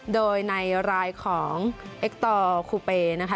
โดยในรายของเอ็กตอร์คูเปนะคะ